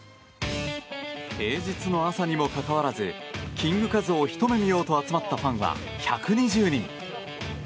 平日の朝にもかかわらずキングカズを、ひと目見ようと集まったファンは１２０人。